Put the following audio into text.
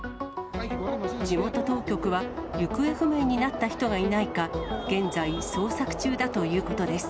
地元当局は、行方不明になった人がいないか、現在捜索中だということです。